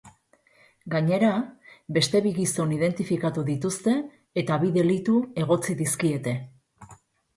Gainera, beste bi gizon identifikatu dituzte eta bi delitu egotzi dizkiete.